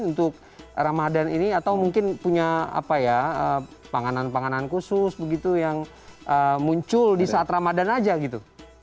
untuk ramadan ini atau mungkin punya apa ya panganan panganan khusus begitu yang muncul di saat ramadhan aja gitu